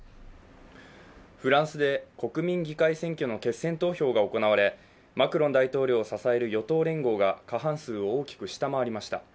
フランスで国民議会選挙の決選投票が行われ、マクロン大統領を支える与党連合が過半数を大きく下回りました。